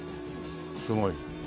すごい。